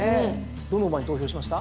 どの馬に投票しました？